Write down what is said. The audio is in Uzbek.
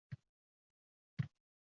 bir kun do'konga kirib yuki yengil